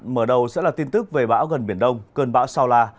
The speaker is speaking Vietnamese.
mở đầu sẽ là tin tức về bão gần biển đông cơn bão sao la